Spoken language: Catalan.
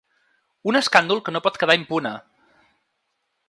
Un escàndol que no pot quedar impune!